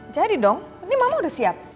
jadi dong ini mama udah siap